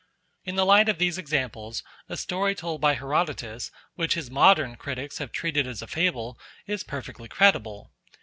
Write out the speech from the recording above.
In the light of these examples a story told by Herodotus, which his modern critics have treated as a fable, is perfectly credible.